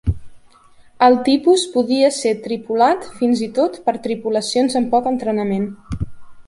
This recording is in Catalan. El tipus podia ser tripulat fins i tot per tripulacions amb poc entrenament.